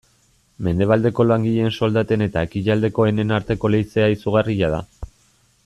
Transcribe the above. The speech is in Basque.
Mendebaldeko langileen soldaten eta ekialdekoenen arteko leizea izugarria da.